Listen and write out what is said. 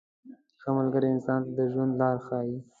• ښه ملګری انسان ته د ژوند لاره ښیي.